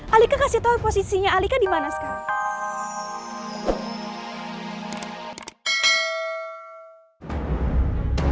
alika kasih tau posisinya alika dimana sekarang